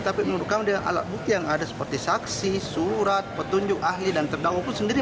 tapi menurut kami dengan alat bukti yang ada seperti saksi surat petunjuk ahli dan terdakwa pun sendiri